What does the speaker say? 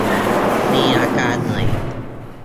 มีอาการเหนื่อย